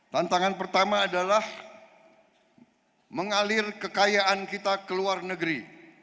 tantangan pertama adalah mengalir kekayaan kita ke luar negeri